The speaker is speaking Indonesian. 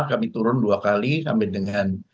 kami turun dua kali sampai dengan